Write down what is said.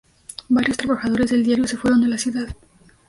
Varios trabajadores del diario se fueron de la ciudad.